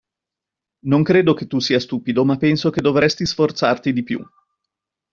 Non credo che tu sia stupido, ma penso che dovresti sforzarti di più.